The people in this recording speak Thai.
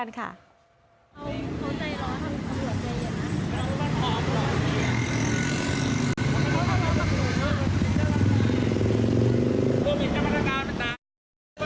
เห็นกับราชาาสนาน